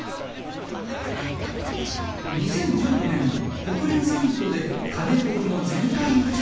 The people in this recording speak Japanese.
２０１５年国連サミットで加盟国の全会一致で採択された。